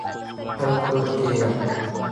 په کور کي يم .